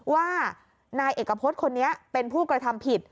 ว่านายเอกพฤษคนนี้เป็นผู้กระทำผิด